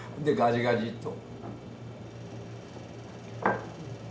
でガジガジっと。